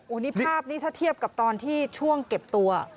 นี่ภาพนี้ถ้าเทียบกับตอนที่ช่วงเก็บตัว